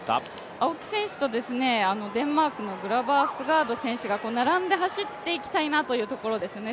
青木選手とデンマークのグラバースガード選手並んで走っていきたいなというところですね。